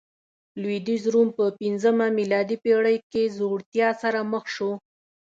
لوېدیځ روم په پنځمه میلادي پېړۍ کې ځوړتیا سره مخ شو